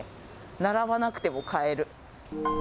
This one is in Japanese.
並ばなくても買える。